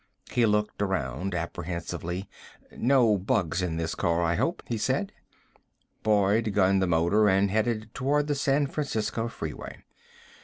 He looked around apprehensively. "No bugs in this car, I hope?" he said. Boyd gunned the motor and headed toward the San Francisco Freeway.